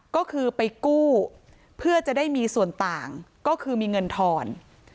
ก็คือไปกู้เพื่อจะได้มีส่วนต่างก็คือมีเงินทอน